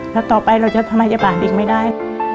แล้วต่อไปเราจะทำไมจะผ่านเด็กไม่ได้